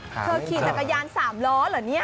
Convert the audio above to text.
ขี่จักรยาน๓ล้อเหรอเนี่ย